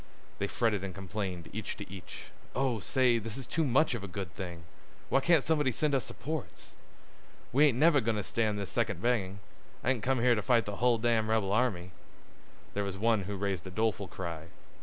They fretted and complained each to each. "Oh, say, this is too much of a good thing! Why can't somebody send us supports?" "We ain't never goin' to stand this second banging. I didn't come here to fight the hull damn' rebel army." There was one who raised a doleful cry.